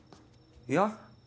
いや。